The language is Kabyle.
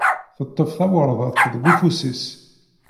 Teṭṭef tawerḍet deg ufus-is.